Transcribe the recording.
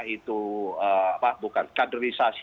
itu bukan kaderisasi